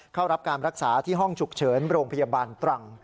เข้ารับการรักษาที่ห้องฉุกเฉินโรงพยาบาลตรัง